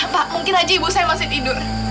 pak mungkin aja ibu saya masih tidur